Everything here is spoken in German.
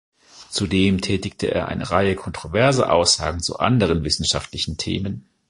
Zudem tätigte er eine Reihe kontroverser Aussagen zu anderen wissenschaftlichen Themen.